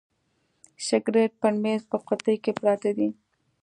سګرېټ پر میز په قوطۍ کي پراته دي.